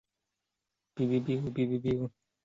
洛伊波尔茨格林是德国巴伐利亚州的一个市镇。